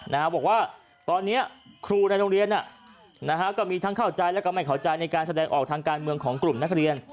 บอกว่าตอนนี้ครูในโรงเรียนก็มีทั้งเข้าใจแล้วก็ไม่เข้าใจในการแสดงออกทางการเมืองของกลุ่มนักเรียน